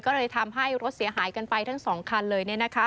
ก็เลยทำให้รถเสียหายกันไปทั้ง๒คันเลย